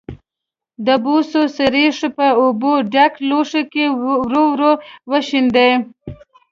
د بوسو سريښ په اوبو ډک لوښي کې ورو ورو وشیندئ.